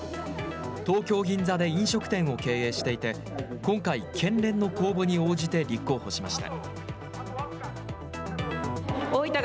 東京・銀座で飲食店を経営していて今回、県連の公募に応じて立候補しました。